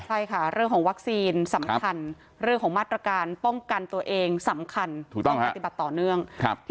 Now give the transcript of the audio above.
ใช่ค่ะเรื่องของวัคซีนสำคัญเรื่องของมาตรการป้องกันตัวเองสำคัญถูกต้องปฏิบัติต่อเนื่อง